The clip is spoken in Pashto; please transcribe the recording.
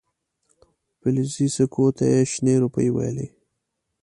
فلزي سکو ته یې شنې روپۍ ویلې.